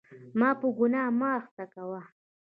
ما په ګناه مه اخته کوه.